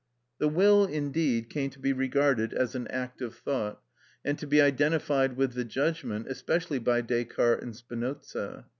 The will indeed came to be regarded as an act of thought, and to be identified with the judgment, especially by Descartes and Spinoza.